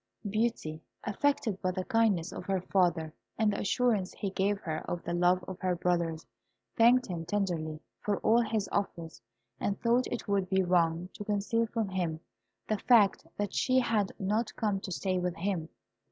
Beauty, affected by the kindness of her father, and the assurance he gave her of the love of her brothers, thanked him tenderly for all his offers, and thought it would be wrong to conceal from him the fact that she had not come to stay with him.